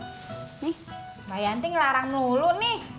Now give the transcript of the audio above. nih mbak yanti ngelarang melulu nih